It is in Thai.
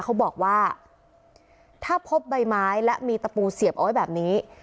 เขาบอกว่าถ้าพบใบไม้และมีตะปูเสียบเอาไว้แบบนี้